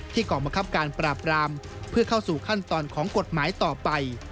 กองบังคับการปราบรามเพื่อเข้าสู่ขั้นตอนของกฎหมายต่อไป